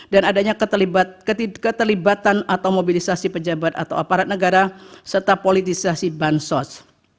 dan adanya keterlibatan atau mobilisasi pejabat atau aparat negara serta politisasi bansos